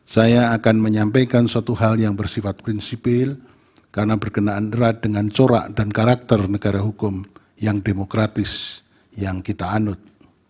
saya akan menyampaikan suatu hal yang bersifat prinsipil karena berkenaan erat dengan corak dan karakter negara hukum yang demokratis yang kita anut